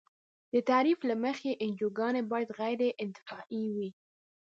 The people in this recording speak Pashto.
د تعریف له مخې انجوګانې باید غیر انتفاعي وي.